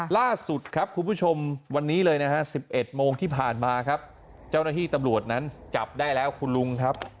ล่าสุดครับคุณผู้ชมวันนี้เลยนะฮะ๑๑โมงที่ผ่านมาครับเจ้าหน้าที่ตำรวจนั้นจับได้แล้วคุณลุงครับ